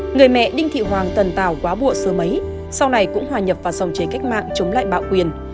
người mẹ đinh thị hoàng tần tào quá bụa sớm ấy sau này cũng hòa nhập vào dòng chế cách mạng chống lại bạo quyền